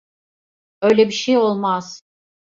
Öyle bir şey olmaz.